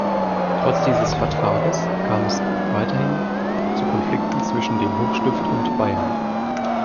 Trotz dieses Vertrages kam es weiterhin zu Konflikten zwischen dem Hochstift und Bayern.